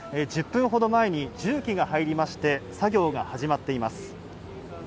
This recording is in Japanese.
１０分ほど前に重機が入りまして作業が始まっています。